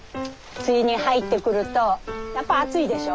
梅雨に入ってくるとやっぱ暑いでしょ？